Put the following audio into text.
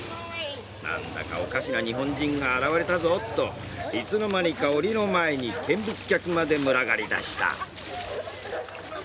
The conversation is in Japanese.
何だかおかしな日本人が現れたぞといつの間にか、おりの前に見物客まで群がりだした。